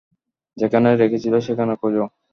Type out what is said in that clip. যেখানে রেখেছিল সেখানে খোঁজ।